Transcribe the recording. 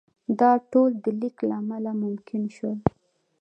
دا ټول د لیک له امله ممکن شول.